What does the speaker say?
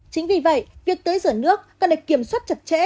chính vì vậy việc tưới rửa nước cần được kiểm soát chặt chẽ